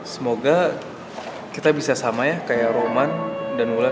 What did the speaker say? semoga kita bisa sama ya kayak roman dan wulan